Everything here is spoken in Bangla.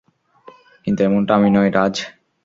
কিন্তু এমনটা আমি নই, রাজ।